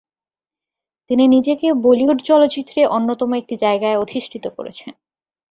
তিনি নিজেকে বলিউড চলচ্চিত্রে অন্যতম একটি জায়গায় অধিষ্ঠিত করেছেন।